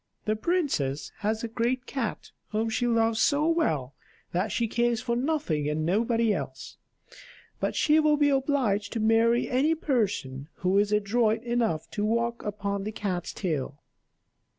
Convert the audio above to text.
The princess has a great cat whom she loves so well that she cares for nothing and nobody else; but she will be obliged to marry any person who is adroit enough to walk upon the cat's tail."